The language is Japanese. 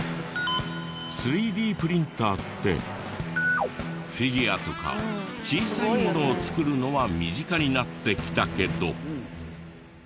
３Ｄプリンターってフィギュアとか小さいものを作るのは身近になってきたけど。